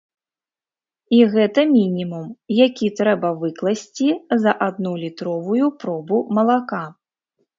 І гэта мінімум, які трэба выкласці за адну літровую пробу малака.